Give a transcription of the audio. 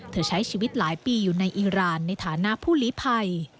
ใช้ชีวิตหลายปีอยู่ในอีรานในฐานะผู้ลิภัย